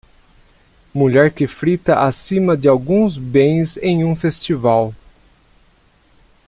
Mulher que frita acima de alguns bens em um festival.